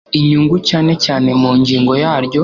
inyungu cyane cyane mu ngingo yaryo